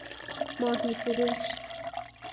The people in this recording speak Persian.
ماهیفروش